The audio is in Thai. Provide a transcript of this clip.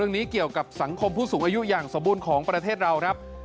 พอเล่งนี้เกี่ยวกับสังคมผู้สูงอายุอย่างสบู่ของประเทศเรา